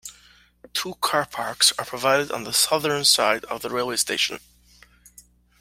Two car parks are provided on the southern side of the railway station.